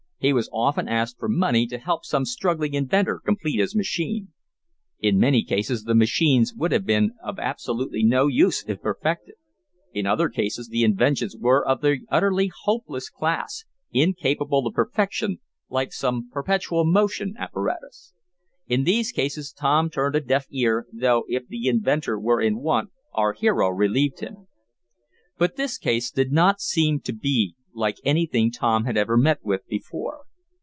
He was often asked for money to help some struggling inventor complete his machine. In many cases the machines would have been of absolutely no use if perfected. In other cases the inventions were of the utterly hopeless class, incapable of perfection, like some perpetual motion apparatus. In these cases Tom turned a deaf ear, though if the inventor were in want our hero relieved him. But this case did not seem to be like anything Tom had ever met with before.